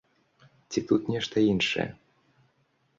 Ці тут нешта іншае?